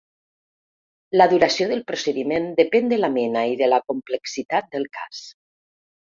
La duració del procediment depèn de la mena i de la complexitat del cas.